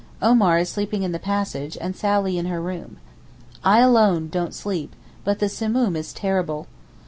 Omar is sleeping in the passage, and Sally in her room. I alone don't sleep—but the Simoom is terrible.